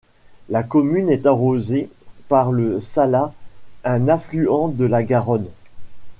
La commune est arrosée par le Salat un affluent de la Garonne.